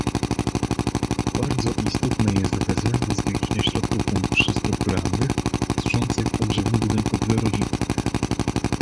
Bardzo istotne jest wezwanie do zwiększenia środków funduszy strukturalnych, służących ogrzewaniu budynków wielorodzinnych